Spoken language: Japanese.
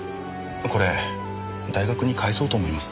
これ大学に返そうと思います。